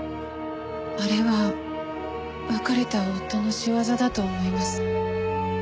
あれは別れた夫の仕業だと思います。